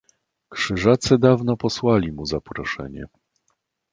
"Krzyżacy dawno posłali mu zaproszenie."